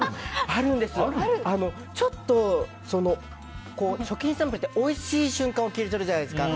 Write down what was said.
ちょっと食品サンプルっておいしい瞬間を切り取るじゃないですか。